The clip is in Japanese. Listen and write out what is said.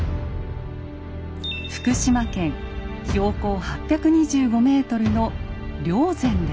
福島県標高８２５ｍの霊山です。